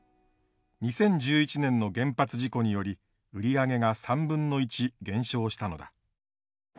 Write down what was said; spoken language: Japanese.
２０１１年の原発事故により売り上げが３分の１減少したのだ。